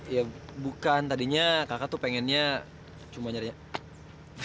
ya bukan tadinya kakak tuh pengennya cuma nyarinya